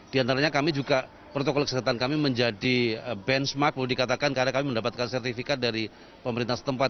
di antaranya kami juga protokol kesehatan kami menjadi benchmark perlu dikatakan karena kami mendapatkan sertifikat dari pemerintah setempat